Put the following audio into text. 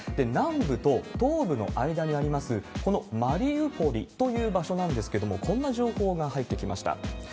南部と東部の間にあります、このマリウポリという場所なんですけれども、こんな情報が入ってきました。